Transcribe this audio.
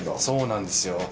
そうなんですよ。